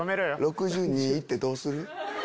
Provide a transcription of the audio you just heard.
６２いってどうする？